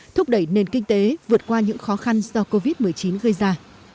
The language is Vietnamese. thúc đẩy nền kinh tế vượt qua những khó khăn do covid một mươi chín gây ra